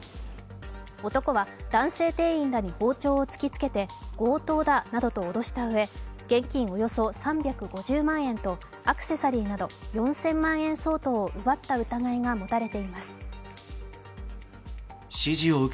男は、男性店員らに包丁を突きつけて、強盗だなどと脅したうえ現金およそ３５０万円とアクセサリーなど４０００万円相当を奪った疑いが持たれています。